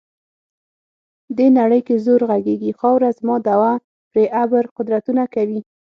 دې نړۍ کې زور غږیږي، خاوره زما دعوه پرې ابر قدرتونه کوي.